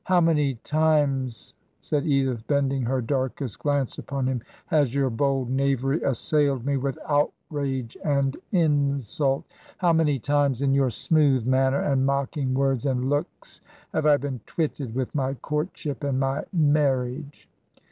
'How many times,' said Edith, bending • her darkest glance upon him, ' has your bold knavery assailed me with outrage and insult? How many times in your smooth manner and mocking words and looks have I been twitted with my courtship and my marriage?